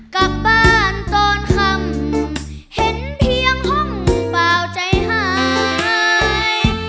กลับบ้านตอนคำเห็นเพียงห้องเปล่าใจหาย